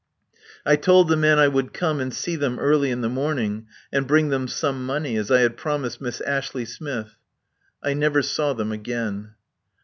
I told the men I would come and see them early in the morning, and bring them some money, as I had promised Miss Ashley Smith. I never saw them again.